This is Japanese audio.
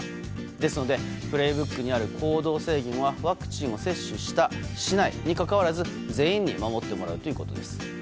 ですので「プレイブック」にある行動制限はワクチンを接種した、しないに関わらず全員に守ってもらうということです。